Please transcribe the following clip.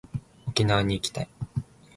沖縄に行きたい